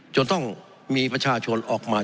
จนต้องมีประชาชนออกมา